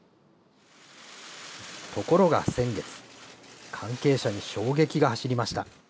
ところが先月、関係者に衝撃が走りました。